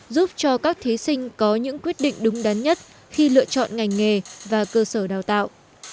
giúp cho các thí sinh có những quyết định đúng đắn nhất khi lựa chọn ngành nghề và cơ sở đào tạo